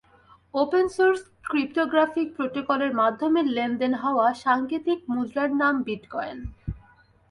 Open source cryptographic প্রটোকলের মাধ্যমে লেনদেন হওয়া সাংকেতিক মুদ্রার নাম বিটকয়েন।